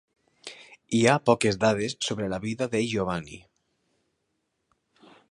Hi ha poques dades sobre la vida de Giovanni.